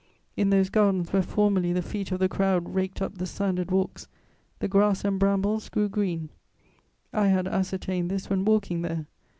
In those gardens where formerly the feet of the crowd raked up the sanded walks, the grass and brambles grew green; I had ascertained this when walking there.